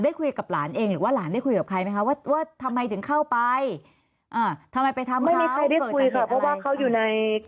ได้คุยกับหลานเองหรือว่าหลานได้คุยกับใครไหมคะว่าทำไมถึงเข้าไปทำไมไปทำเขาเกิดจัดเหตุอะไร